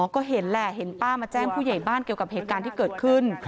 ก็เห็นแหละเห็นป้ามาแจ้งผู้ใหญ่บ้านเกี่ยวกับเหตุการณ์ที่เกิดขึ้น